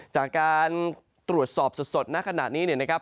จากการตรวจสอบสดณขณะนี้เนี่ยนะครับ